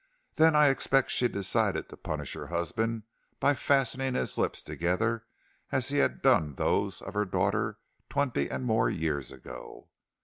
Then I expect she decided to punish her husband by fastening his lips together as he had done those of her daughter twenty and more years ago.